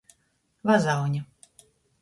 Vazauņa.